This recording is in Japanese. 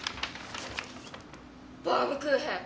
バウムクーヘン。